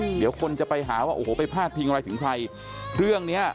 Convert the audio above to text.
เดี๋ยวคนจะไปหาว่าโอ้โหไปพาดพิงอะไรถึงใครเรื่องเนี้ย